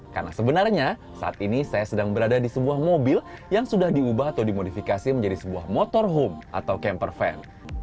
karena sebenarnya saat ini saya sedang berada di sebuah mobil yang sudah diubah atau dimodifikasi menjadi sebuah motorhome atau campervan